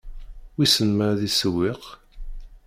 Wissen ma ad issewweq?